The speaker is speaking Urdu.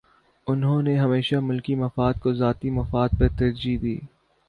انہوں نے ہمیشہ ملکی مفاد کو ذاتی مفاد پر ترجیح دی